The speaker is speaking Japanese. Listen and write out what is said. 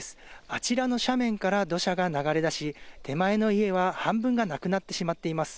あちらの斜面から土砂が流れ出し、手前の家は半分がなくなってしまっています。